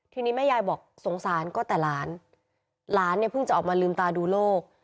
ทีนี้แม่ยายบอกสงสารก็แต่หลานหลานเนี่ยเพิ่งจะออกมาลืมตาดูโลก